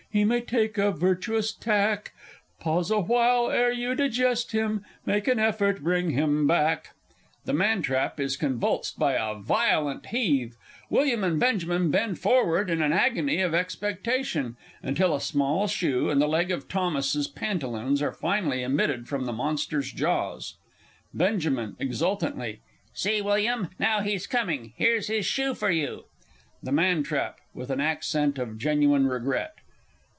(He may take a virtuous tack); Pause awhile, ere you digest him, Make an effort bring him back! [The Man trap is convulsed by a violent heave; WILLIAM and BENJAMIN bend forward in an agony of expectation, until a small shoe and the leg of THOMAS'S pantaloons are finally emitted from the Monster's jaws. Benj. (exultantly). See, William, now he's coming ... here's his shoe for you! The Man trap (_with an accent of genuine regret).